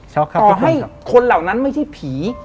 ต่อให้คนเหล่านั้นไม่ใช่ผี